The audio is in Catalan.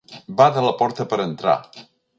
Bada la porta per entrar.